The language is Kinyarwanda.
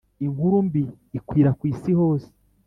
inkuru mbi ikwira kw’isi hose